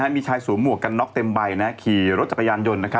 มีชายสวมหวกกันน็อกเต็มใบขี่รถจักรยานยนต์